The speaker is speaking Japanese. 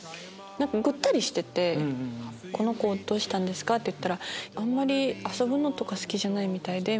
ぐったりしててこの子どうしたんですか？と言ったら「あんまり遊ぶの好きじゃない」みたいな。